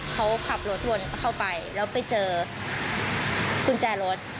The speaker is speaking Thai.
เขาขับรถวนเข้าไปแล้วไปเจอกุญแจรถ